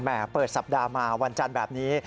เปิดสัปดาห์มาวันจันทร์แบบนี้